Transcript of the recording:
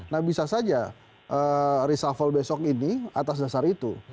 nah bisa saja reshuffle besok ini atas dasar itu